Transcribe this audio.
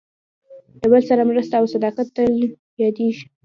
د بل سره مرسته او صداقت تل یادېږي.